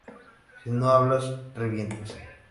Si no hablas, revientas